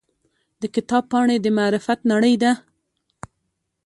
د کتاب پاڼې د معرفت نړۍ ده.